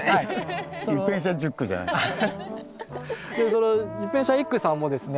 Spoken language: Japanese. その十返舎一九さんもですね